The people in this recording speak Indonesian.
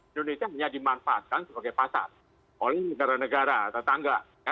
indonesia hanya dimanfaatkan sebagai pasar oleh negara negara tetangga